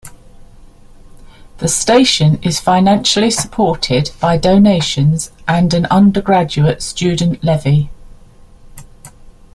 The station is financially supported by donations and an undergraduate student levy.